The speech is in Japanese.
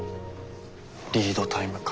リードタイムか。